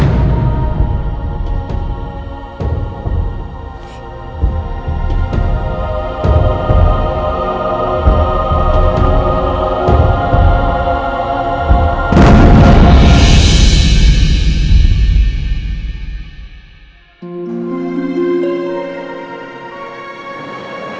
gue sudah punya pemiring